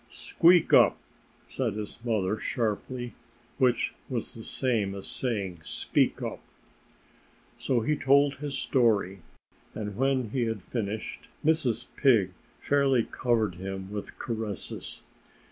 "Squeak up!" said his mother sharply which was the same as saying, "Speak up!" So he told his story. And when he had finished Mrs. Pig fairly covered him with caresses.